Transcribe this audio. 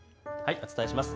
お伝えします。